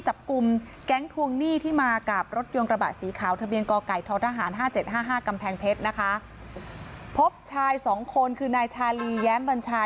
ทะเบียนก่อไก่ท้อทหาร๕๗๕๕กำแพงเพชรพบชาย๒คนคือนายชาลีแย้มบัญชาย